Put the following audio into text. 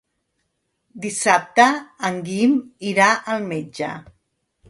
Dissabte en Guim irà al metge.